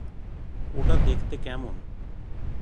ওটা দেখতে কেমন?